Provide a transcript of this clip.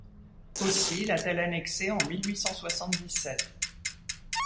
Aussi l’a-t-elle annexé en mille huit cent soixante-dix-sept